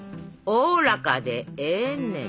おおらかでええねん。